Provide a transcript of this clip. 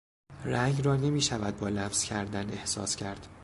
رنگ را نمیشود با لمس کردن احساس کرد.